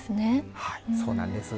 はいそうなんです。